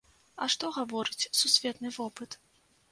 А што гаворыць сусветны вопыт?